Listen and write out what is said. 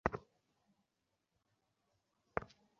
এখানে একটু আলোর দরকার!